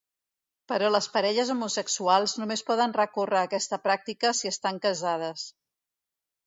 Però les parelles homosexuals només poden recórrer a aquesta pràctica si estan casades.